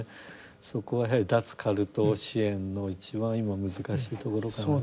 そこはやはり脱カルト支援の一番今難しいところかなと。